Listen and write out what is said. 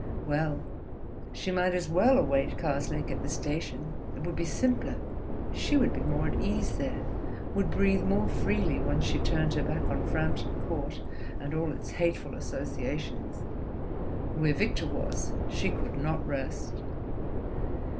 Well: she might as well await Karslake at the station. It would be simpler, she would be more at ease there, would breathe more freely once she turned her back on Frampton Court and all its hateful associations. Where Victor was, she could not rest.